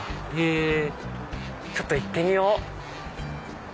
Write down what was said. へぇちょっと行ってみよう！